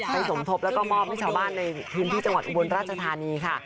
สมทบแล้วก็มอบให้ชาวบ้านในพื้นที่จังหวัดอุบลราชธานีค่ะ